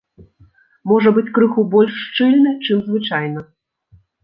Можа быць крыху больш шчыльны, чым звычайна.